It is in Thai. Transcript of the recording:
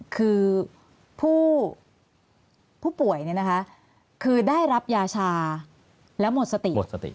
คือผู้ป่วยคือได้รับยาชาแล้วหมดสติ